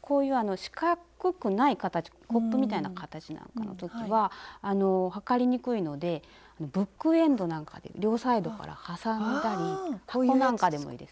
こういう四角くない形コップみたいな形なんかの時は測りにくいのでブックエンドなんかで両サイドから挟んだり箱なんかでもいいです。